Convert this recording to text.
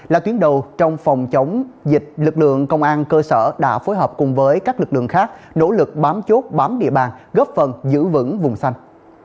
là tuyến đầu trong phòng chống dịch lực lượng công an cơ sở đã phối hợp cùng với các lực lượng khác nỗ lực bám chốt bám địa bàn góp phần giữ vững vùng xanh